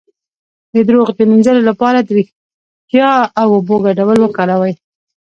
د دروغ د مینځلو لپاره د ریښتیا او اوبو ګډول وکاروئ